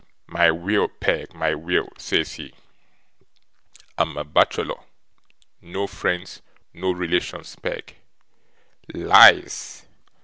"My will, Peg! my will!" says he: "I'm a bachelor no friends no relations, Peg." Lies!